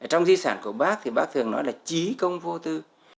trong di sản của bác thì bác thường nói là trí công vô tư